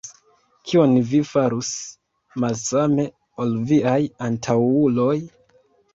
Kion vi farus malsame ol viaj antaŭuloj?